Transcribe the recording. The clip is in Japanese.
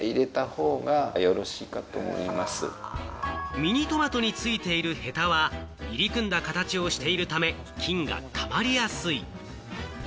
ミニトマトについているヘタは入り組んだ形をしているため、菌がたまりやすい。